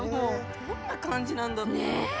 どんな感じなんだろう。ねえ。